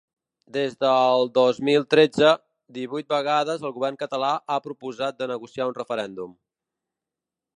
Des del dos mil tretze, divuit vegades el govern català ha proposat de negociar un referèndum.